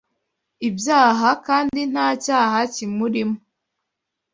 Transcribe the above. ibyaha kandi nta cyaha kimurimo